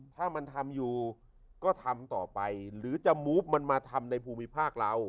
ถ้ามันทำอยู่ก็ทำต่อไปหรือจะมูฟมันมาทำในภูมิภาคเรา